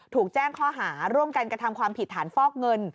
ถูกแจ้งข้อหาร่วมกันกระทำความผิดฐานฟอกเงิน